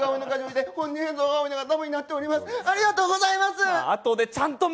ありがとうございます。